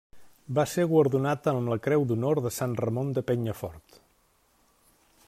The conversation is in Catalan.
Va ser guardonat amb la Creu d'Honor de Sant Ramon de Penyafort.